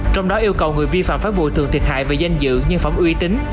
trong đó yêu cầu người vi phạm phát bùi thường thiệt hại về danh dự nhưng phẩm uy tín